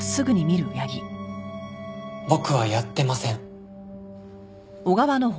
僕はやってません。